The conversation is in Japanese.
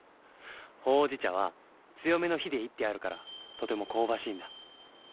ほうじ茶は強めの火で煎ってあるからとても香ばしいんだ。